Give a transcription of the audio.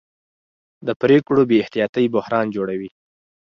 د پرېکړو بې احتیاطي بحران جوړوي